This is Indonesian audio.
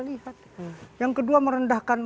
lihat yang kedua merendahkan